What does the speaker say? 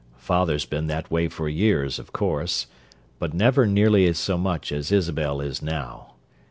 Father's been that way for years, of course; but never nearly so much as Isabel is now.